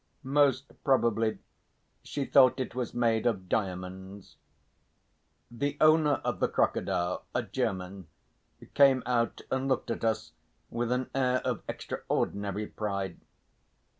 Most probably she thought it was made of diamonds. The owner of the crocodile, a German, came out and looked at us with an air of extraordinary pride.